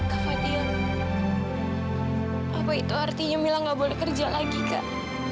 kak fadil apa itu artinya mila nggak boleh kerja lagi kak